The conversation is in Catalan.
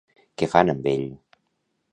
Què fan amb ell?